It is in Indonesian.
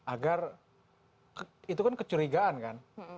agar itu kan kecurigaan kan